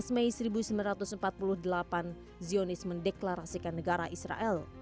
tujuh belas mei seribu sembilan ratus empat puluh delapan zionis mendeklarasikan negara israel